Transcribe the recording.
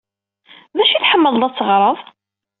D acu ay tḥemmled ad teɣred?